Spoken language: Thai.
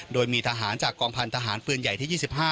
โดยมีทหารจากกองพันธหารปืนใหญ่ที่๒๕